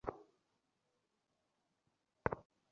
Ma'am, আপনি ঠিক আছেন?